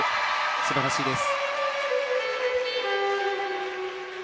素晴らしいです。